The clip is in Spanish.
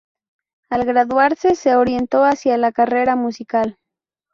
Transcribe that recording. Al graduarse, se orientó hacia la carrera musical.